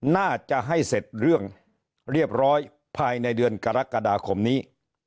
น่าจะให้เสร็จเรื่องเรียบร้อยภายในเดือนกรกฎาคมนี้